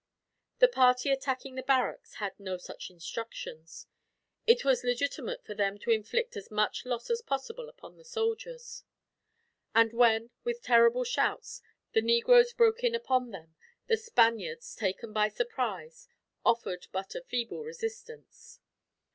The party attacking the barracks had no such instructions. It was legitimate for them to inflict as much loss as possible upon the soldiers; and when, with terrible shouts, the negroes broke in upon them, the Spaniards, taken by surprise, offered but a feeble resistance.